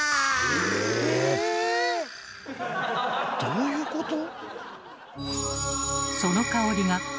どういうこと？